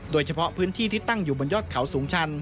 โดยเฉพาะพื้นที่ที่ตั้งอยู่บนยอดเขาสูงชัน